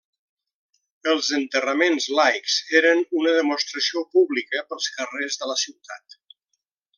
Els enterraments laics eren una demostració pública pels carrers de la ciutat.